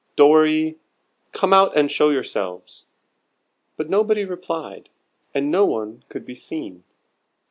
Dorry! come out and show yourselves." But nobody replied, and no one could be seen.